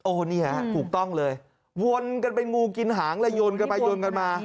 โอ้โหนี่ฮะถูกต้องเลยวนกันเป็นงูกินหางเลยโยนกันไปโยนกันมา